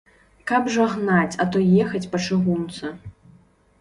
Каб жа гнаць, а то ехаць па чыгунцы.